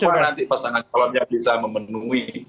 siapa nanti pasangan calonnya bisa memenuhi